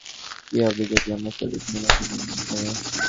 কী হবে যদি আমরা চলে গিয়ে নতুন জায়গা খুঁজে নেই?